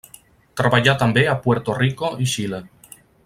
Treballà també a Puerto Rico i Xile.